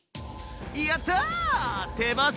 やった！